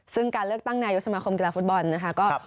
ซึ่งการเลือกตั้งนายกสมาคมกีฬาฟุตบอลนะคะ